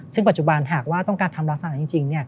ซึ่งปัจจุบันหากว่าต้องการทำลักษณะจริง